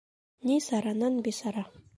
Ни саранан бисара.